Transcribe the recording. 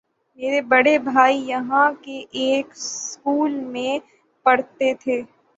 میرے بڑے بھائی یہاں کے ایک سکول میں پڑھاتے تھے۔